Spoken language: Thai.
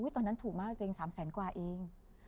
ตอนนั้นถูกมากตัวเอง๓แสนกว่าเอง